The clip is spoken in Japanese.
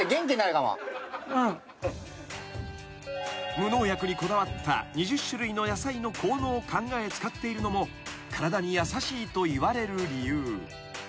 ［無農薬にこだわった２０種類の野菜の効能を考え使っているのも体に優しいといわれる理由］